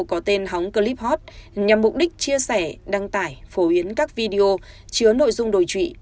có tên hóng cliphot nhằm mục đích chia sẻ đăng tải phổ yến các video chứa nội dung đồi trụy